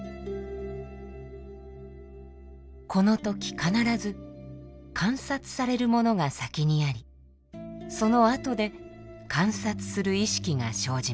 この時必ず観察されるものが先にありそのあとで観察する意識が生じます。